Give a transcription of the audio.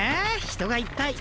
人がいっぱい。